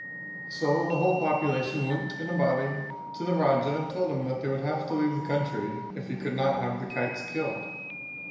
So the whole population went in a body to the Raja and told him that they would have to leave the country if he could not have the kites killed.